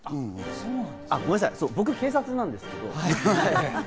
ごめんなさい、僕、警察なんですけど。